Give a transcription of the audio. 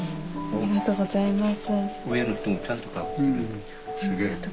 ありがとうございます。